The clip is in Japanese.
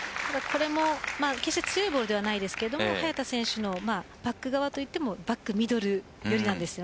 これも決して強いボールではないですけど早田選手のバック側といってもバックミドル寄りです。